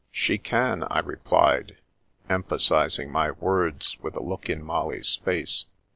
"" She can," I replied, emphasising my words with a look in Molly's face.